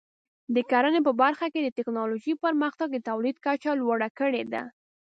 د کرنې په برخه کې د ټکنالوژۍ پرمختګ د تولید کچه لوړه کړې ده.